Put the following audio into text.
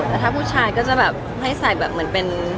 แต่ถ้าผู้ชายก็จะแบบให้ใส่แบบเหมือนเป็น